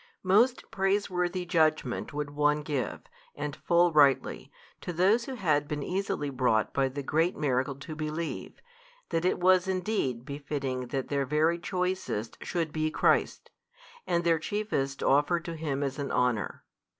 Most praiseworthy judgment would one give, and full rightly, to those who had been easily brought by the great miracle to believe, that it was indeed befitting that their very choicest should be Christ's, and their chiefest offered to Him as an honour.